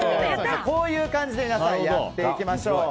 こういう感じで皆さんやっていきましょう。